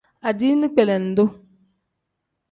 Adiini kpelendu.